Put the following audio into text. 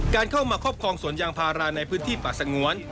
การเข้ามาครอบครองสวนยางพาราในพื้นที่ป่าสงวน